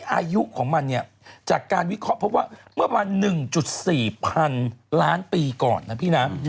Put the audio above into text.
อายุของมันเนี่ยจากการวิเคราะห์พบว่าเมื่อประมาณ๑๔พันล้านปีก่อนนะพี่นะ